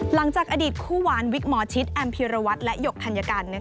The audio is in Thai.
หลังจากอดีตคู่หวานวิกหมอชิดแอมพีรวัตรและหยกธัญกัน